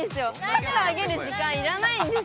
カツをあげる時間いらないんです。